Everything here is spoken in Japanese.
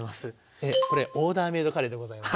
これ「オーダーメードカレー」でございます。